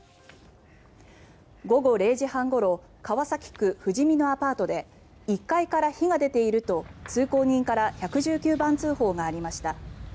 午後０時半ごろ川崎区富士見のアパートで１階から火が出ていると通行人から１１９番通報がありました。